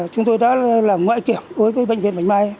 chúng tôi đã làm ngoại kiểm đối với bệnh viện bạch mai